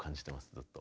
ずっと。